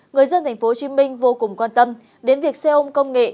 người dân tp hcm vô cùng quan tâm đến việc xe ôm công nghệ